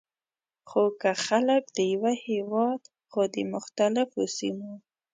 خو که خلک د یوه هیواد خو د مختلفو سیمو،